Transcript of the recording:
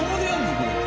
これ。